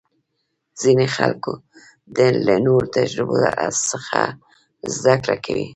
ځینې خلک له نورو تجربو څخه زده کړه کوي.